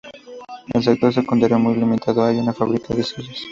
El sector secundario muy limitado, hay una fábrica de sillas.